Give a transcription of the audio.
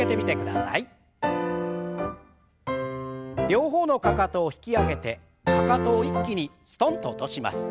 両方のかかとを引き上げてかかとを一気にすとんと落とします。